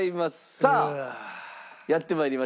さあやって参りました。